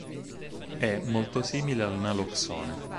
È molto simile al naloxone.